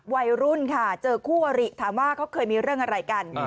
วัยรุ่นค่ะเจอคู่อริถามว่าเขาเคยมีเรื่องอะไรกัน